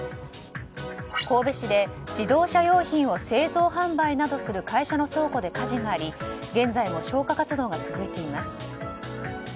神戸市で自動車用品を製造・販売などする会社の倉庫で火事があり現在も消火活動が続いています。